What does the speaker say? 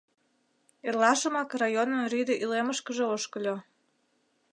Эрлашымак районын рӱдӧ илемышкыже ошкыльо.